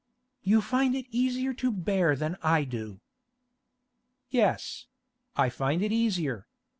'You find it easier to bear than I do.' 'Yes; I find it easier.